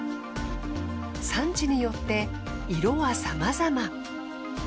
産地によって色はさまざま。